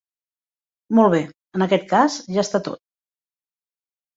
Molt bé, en aquest cas ja està tot.